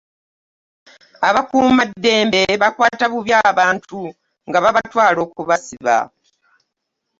abakuuma ddembe bakwata bubi abantu nga babatwala okubasiba.